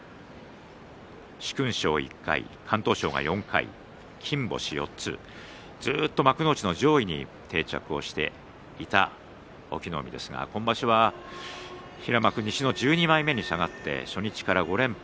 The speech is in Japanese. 殊勲賞１回、敢闘賞４回金星４つずっと幕内の上位に定着していた隠岐の海ですが今場所は平幕西の１２枚目に下がって初日から５連敗。